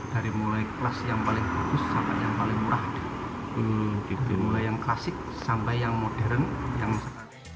dari mulai kelas yang paling bagus sampai yang paling murah